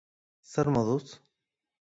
Zer moduz?